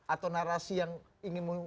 atau narasi yang ingin